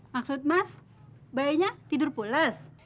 maksud mas bayinya tidur pules